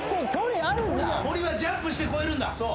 堀はジャンプして越えるんだ。